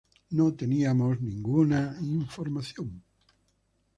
No teníamos ninguna información.